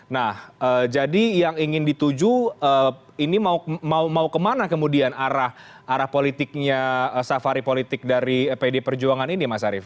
nah jadi yang ingin dituju ini mau kemana kemudian arah politiknya safari politik dari pd perjuangan ini mas arief